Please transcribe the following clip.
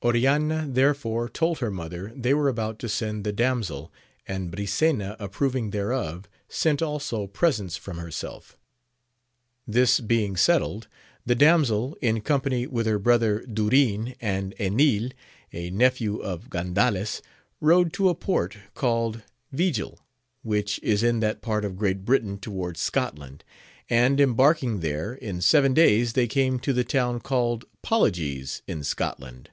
Oriana therefore told her mother they were about to send the damsel, and Brisena approving thereof, sent also presents from herself. This being settled, the damsel, in company with her brother Durin, and Enil, a nephew of Gandales, rode to a port called V^il, which is in that part of Great Britain towards Scot land, and embarking there, in seven days thej came to the town called Poligez, in Scotland.